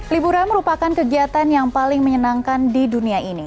liburan merupakan kegiatan yang paling menyenangkan di dunia ini